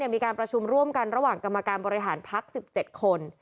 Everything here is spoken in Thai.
มีการประชุมร่วมกันระหว่างกรรมการบริหารพัก๑๗คน